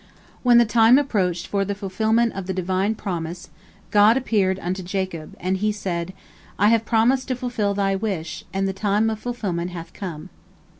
When the time approached for the fulfilment of the Divine promise, God appeared unto Jacob, and He said, "I promised to fulfil thy wish, and the time of fulfilment hath come."